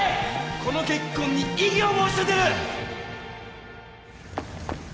この結婚に異議を申し立てる！